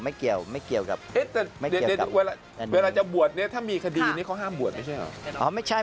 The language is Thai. แต่เวลาจะบวชนี่ถ้ามีคดีนี่เขาห้ามบวชไม่ใช่เหรอ